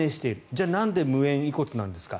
じゃあなんで無縁遺骨なんですか。